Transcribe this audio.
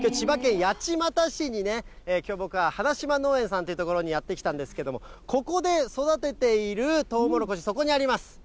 きょうは千葉県八街市にきょう僕は、ハナシマ農園さんという所にやって来たんですけれども、ここで育てているとうもろこし、ここにあります。